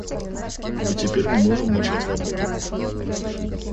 И теперь мы можем начать работу.